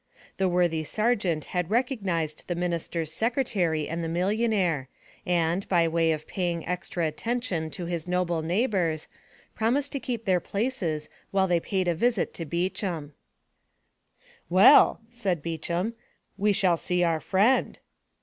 The worthy sergeant had recognized the minister's secretary and the millionnaire, and, by way of paying extra attention to his noble neighbors, promised to keep their places while they paid a visit to Beauchamp. "Well," said Beauchamp, "we shall see our friend!"